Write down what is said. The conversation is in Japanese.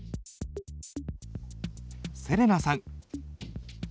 せれなさん。